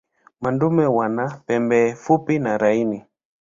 Madume wana pembe fupi na laini.